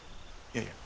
いやいや。